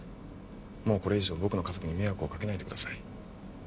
もうこれ以上僕の家族に迷惑をかけないでください